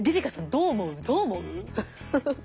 どう思う？